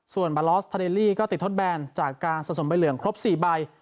ส่วนบาลอสทาเดลลี่ก็ติดทดแบนจากการสะสมใบเหลืองครบ๔ใบ